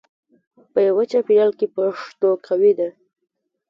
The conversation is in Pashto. په یوه چاپېریال کې پښتو قوي ده.